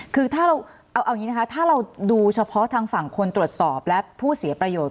คือถ้าเราดูเฉพาะทางฝั่งคนตรวจสอบและผู้เสียประโยชน์